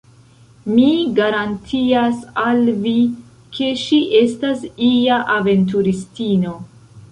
Mi garantias al vi, ke ŝi estas ia aventuristino!